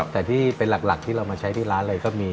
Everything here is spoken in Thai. แต่ที่เป็นหลักที่เรามาใช้ที่ร้านเลยก็มี